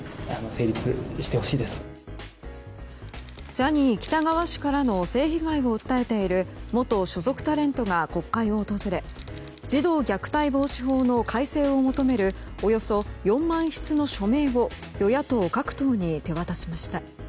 ジャニー喜多川氏からの性被害を訴えている元所属タレントが国会を訪れ児童虐待防止法の改正を求めるおよそ４万筆の署名を与野党各党に手渡しました。